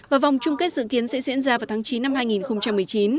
và vòng chung kết dự kiến sẽ diễn ra vào tháng chín năm hai nghìn một mươi chín